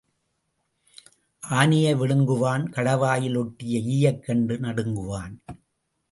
ஆனையை விழுங்குவான் கடைவாயில் ஒட்டிய ஈயைக் கண்டு நடுங்குவான்.